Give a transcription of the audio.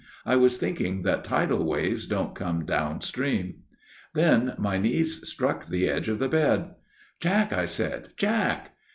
I was thinking that tidal waves don't come down stream. " Then my knees struck the edge of the bed. "' Jack,' I said, ' Jack.'